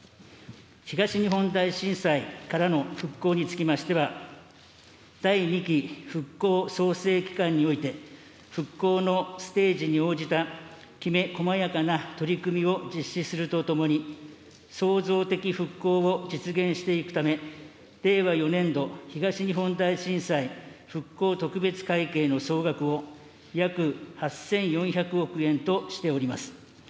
東日本大震災からの復興につきましては、第２期復興・創生期間において、復興のステージに応じたきめこまやかな取り組みを実施するとともに、創造的復興を実現していくため、令和４年度東日本大震災復興特別会計の総額を、約８４００億円としております。